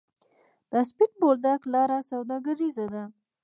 د سپین بولدک لاره سوداګریزه ده